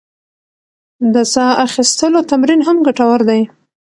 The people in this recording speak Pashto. د ساه اخیستلو تمرین هم ګټور دی.